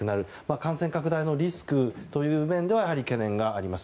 感染拡大のリスクという面では懸念があります。